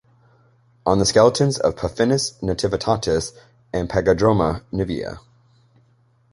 On the skeletons of Puffinus nativitatus and Pagodroma nivea.